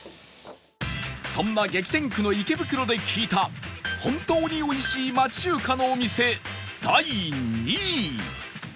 そんな激戦区の池袋で聞いた本当においしい町中華のお店第２位